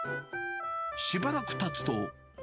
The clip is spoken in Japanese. しばらくたつと。